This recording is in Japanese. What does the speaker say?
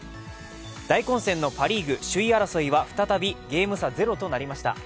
大混戦のパ・リーグ首位争いは再びゲーム差ゼロとなりました。